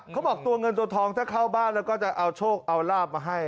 เขาบอกตัวเงินตัวทองถ้าเข้าบ้านแล้วก็จะเอาโชคเอาลาบมาให้